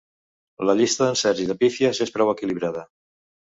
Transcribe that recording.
La llista d’encerts i de pífies és prou equilibrada.